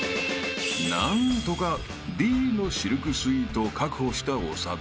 ［何とかＤのシルクスイートを確保した長田］